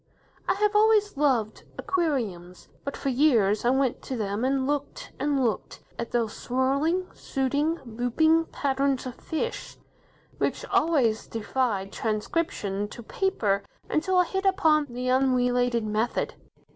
I have always loved aquariums, but for years I went to them and looked, and looked, at those swirling, shooting, looping patterns of fish, which always defied transcription to paper until I hit upon the "unrelated" method.